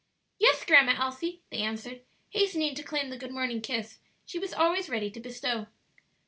"Yes, Grandma Elsie," they answered, hastening to claim the good morning kiss she was always ready to bestow.